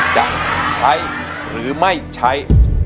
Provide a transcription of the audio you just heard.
จะใช้หรือไม่ใช้